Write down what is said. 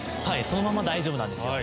そのまま大丈夫なんですよ。